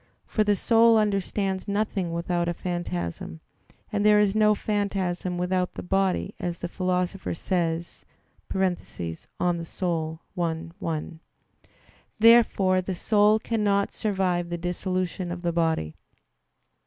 For the soul understands nothing without a phantasm; and there is no phantasm without the body as the Philosopher says (De Anima i, 1). Therefore the soul cannot survive the dissolution of the body.